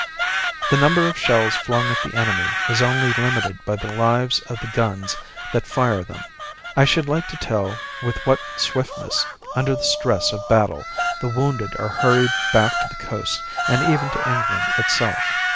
The number of shells flung at the enemy is only limited by the lives of the guns that fire them. I should like to tell with what swiftness, under the stress of battle, the wounded are hurried back to the coast and even to England itself.